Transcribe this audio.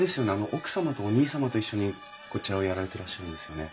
奥様とお兄様と一緒にこちらをやられてらっしゃるんですよね？